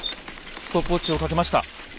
ストップウォッチをかけました。